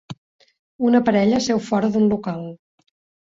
Una parella seu fora d'un local.